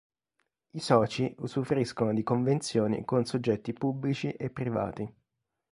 I soci usufruiscono di convenzioni con soggetti pubblici e privati.